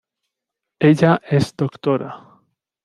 Ella es doctora.